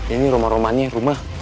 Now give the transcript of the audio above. ini rumah rumahnya rumah